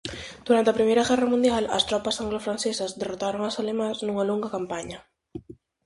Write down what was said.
Durante a Primeira Guerra Mundial as tropas anglo-francesas derrotaron ás alemás nunha longa campaña.